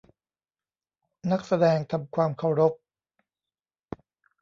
นักแสดงทำความเคารพ !